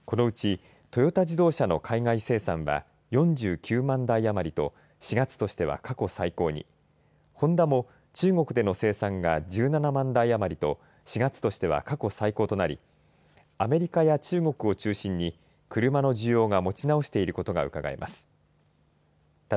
このうちトヨタ自動車の海外生産は４９台あまりと４月としては過去最高にホンダも中国での生産が１７万台余りと４月としては過去最高となりアメリカや中国を中心に車の需要が持ち直していることがうかがえます。